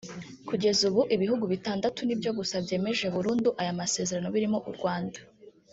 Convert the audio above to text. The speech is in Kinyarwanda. Kugeza ubu ibihugu bitandatu ni byo gusa byemeje burundu aya masezerano birimo u Rwanda